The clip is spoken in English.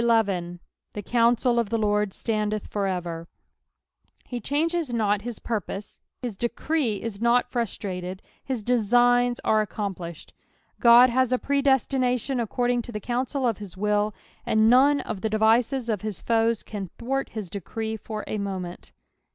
" The eountd of the Lord ttandeth for erer," He changes not his purpose, his decree is not frustrated, his designs are accompli shed. God has a predestination according to the counsel of hiswill, and none of the devices of his foes can thwart his decree for a moment.